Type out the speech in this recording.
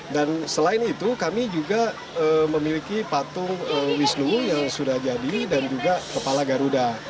dan kita juga memiliki patung wisnu yang sudah jadi dan juga kepala garuda